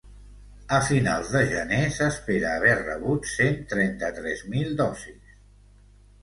A finals de gener s’espera haver rebut cent trenta-tres mil dosis.